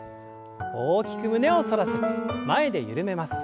大きく胸を反らせて前で緩めます。